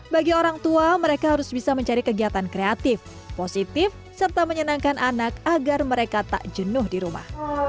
bagi orang tua mereka harus bisa mencari kegiatan kreatif positif serta menyenangkan anak agar mereka tak jenuh di rumah